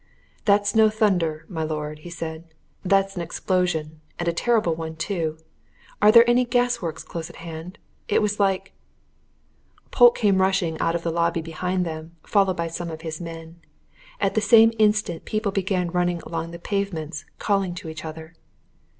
"That's no thunder, my lord!" he said. "That's an explosion! and a terrible one, too! Are there any gasworks close at hand? It was like " Polke came rushing out of the lobby behind them, followed by some of his men. And at the same instant people began running along the pavements, calling to each other.